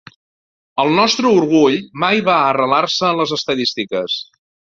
El nostre orgull mai va arrelar-se en les estadístiques.